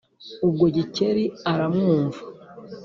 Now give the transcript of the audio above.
Ubwo Gikeli aramwumva.